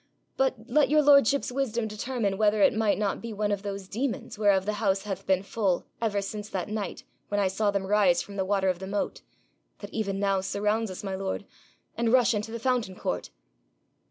But let your lordship's wisdom determine whether it might not be one of those demons whereof the house hath been full ever since that night when I saw them rise from the water of the moat that even now surrounds us, my lord! and rush into the fountain court.'